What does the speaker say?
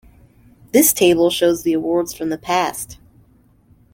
This table shows the awards from the past.